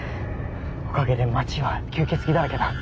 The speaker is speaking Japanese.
おかげで町は吸血鬼だらけだ。